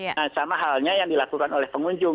nah sama halnya yang dilakukan oleh pengunjung